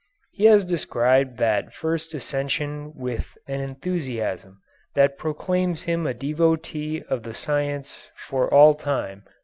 He has described that first ascension with an enthusiasm that proclaims him a devotee of the science for all time.